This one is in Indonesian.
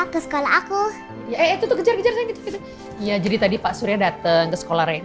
ke sekolah aku ya jadi tadi pak surya datang ke sekolah